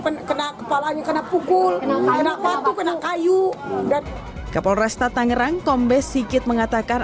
penuh kena kepalanya kena pukul kenapa tuh kena kayu dan kepolresta tangerang kombes sigit mengatakan